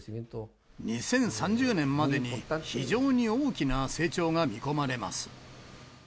２０３０年までに非常に大きな成長が見込まれます。